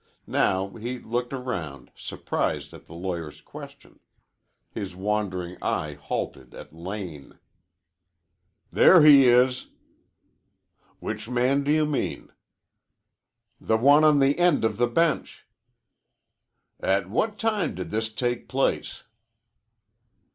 Now he looked around, surprised at the lawyer's question. His wandering eye halted at Lane. "There he is." "Which man do you mean?" "The one on the end of the bench." "At what time did this take place?"